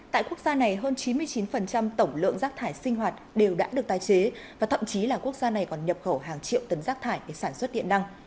tại quốc gia này hơn chín mươi chín tổng lượng rác thải sinh hoạt đều đã được tái chế và thậm chí là quốc gia này còn nhập khẩu hàng triệu tấn rác thải để sản xuất điện năng